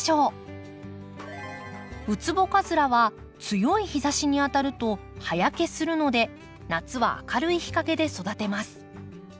ウツボカズラは強い日ざしに当たると葉焼けするので夏は明るい日陰で育てます。